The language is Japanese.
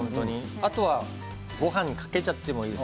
あとごはんにかけちゃってもいいです。